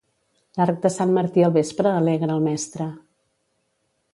L'arc de sant Martí al vespre alegra el mestre.